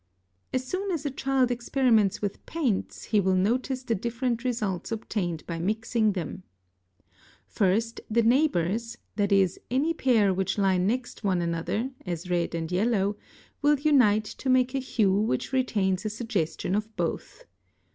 As soon as a child experiments with paints, he will notice the different results obtained by mixing them. [Illustration: Fig. 7.] First, the neighbors, that is, any pair which lie next one another, as red and yellow, will unite to make a hue which retains a suggestion of both.